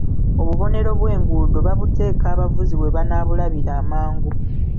Obubonero bw'enguudo babuteeka abavuzi we banaabulabira amangu.